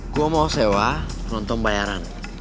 gue mau sewa nonton bayaran